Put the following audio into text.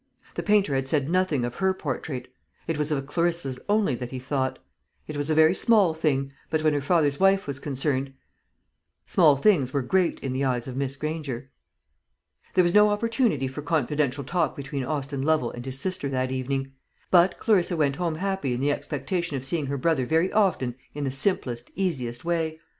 The painter had said nothing of her portrait. It was of Clarissa's only that he thought. It was a very small thing; but when her father's wife was concerned, small things were great in the eyes of Miss Granger. There was no opportunity for confidential talk between Austin Lovel and his sister that evening; but Clarissa went home happy in the expectation of seeing her brother very often in the simplest, easiest way.